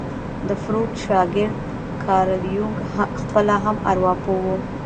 د فروډ شاګرد کارل يونګ خپله هم ارواپوه وو.